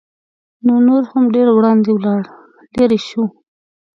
نو نور هم ډېر وړاندې ولاړ لېرې شو.